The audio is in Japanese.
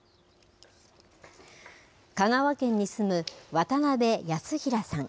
香川県に住む渡邊康平さん